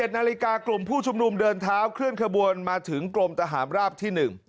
๑นาฬิกากลุ่มผู้ชุมนุมเดินเท้าเคลื่อนขบวนมาถึงกรมทหารราบที่๑